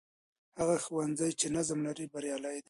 هغه ښوونځی چې نظم لري، بریالی دی.